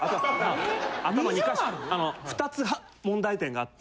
頭２箇所２つ問題点があって。